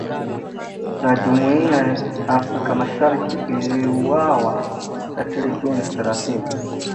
la Jumuiya Afrika Mashariki liliuawa kikatili Juni thelathini